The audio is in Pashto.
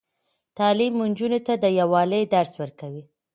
تعلیم نجونو ته د یووالي درس ورکوي.